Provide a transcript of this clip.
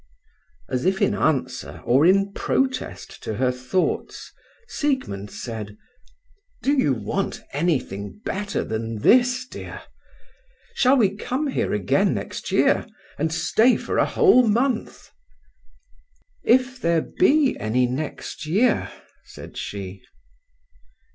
As if in answer or in protest to her thoughts, Siegmund said: "Do you want anything better than this, dear? Shall we come here next year, and stay for a whole month?" "If there be any next year," said she.